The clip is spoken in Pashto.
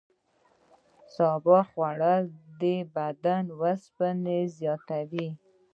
سابه خوړل د بدن اوسپنه زیاتوي.